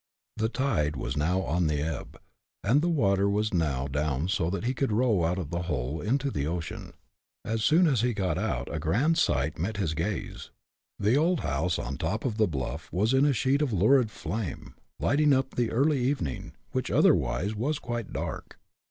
The tide was now on the ebb, and the water was now down so that he could row out of the hole into the ocean. As soon as he got out a grand sight met his gaze. The old house on top of the bluff was in a sheet of lurid flame, lighting up the early evening, which otherwise was quite dark.